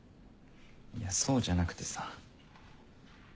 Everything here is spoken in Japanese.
いやそうじゃなくてさ。